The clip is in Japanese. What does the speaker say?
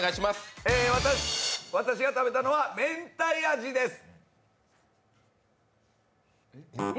私が食べたのはめんたい味です。